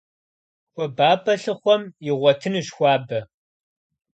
ХуабапӀэ лъыхъуэм игъуэтынущ хуабэ.